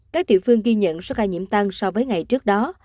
các địa phương ghi nhận số ca nhiễm tăng so với ngày trước đó